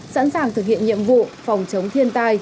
sẵn sàng thực hiện nhiệm vụ phòng chống thiên tai